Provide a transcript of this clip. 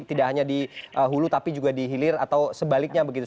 tidak hanya dihulu tapi juga dihilir atau sebaliknya begitu